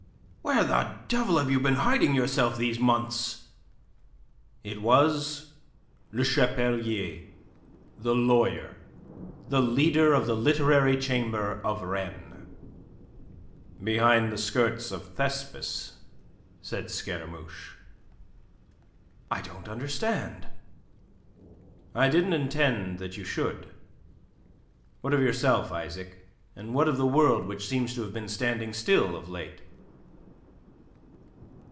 Where the devil have you been hiding yourself these months?" It was Le Chapelier, the lawyer, the leader of the Literary Chamber of Rennes. "Behind the skirts of Thespis," said Scaramouche. "I don't understand." "I didn't intend that you should. What of yourself, Isaac? And what of the world which seems to have been standing still of late?"